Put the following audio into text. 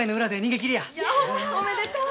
おめでとう。